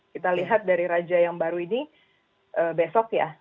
kita lihat dari raja yang baru ini besok ya